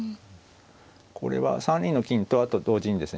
これは３二の金とあと同時にですね